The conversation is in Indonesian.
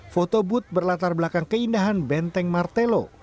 foto booth berlatar belakang keindahan benteng martelo